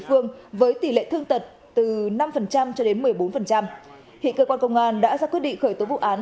phương với tỷ lệ thương tật từ năm cho đến một mươi bốn hiện cơ quan công an đã ra quyết định khởi tố vụ án